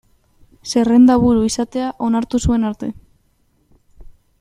Zerrendaburu izatea onartu zuen arte.